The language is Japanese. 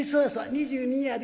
２２やで」。